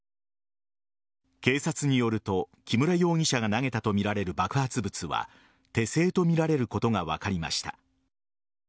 警察によると木村容疑者が投げたとみられる爆発物は手製とみられることが分かりました。